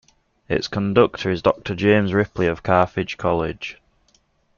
Its conductor is Doctor James Ripley of Carthage College.